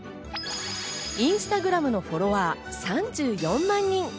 インスタグラムのフォロワー、３４万人。